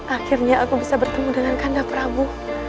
akhirnya aku bisa bertemu dengan kanda prabu